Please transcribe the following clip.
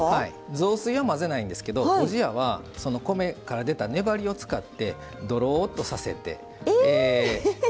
雑炊は混ぜないんですけどおじやは米から出た粘りを使ってどろーっとさせて。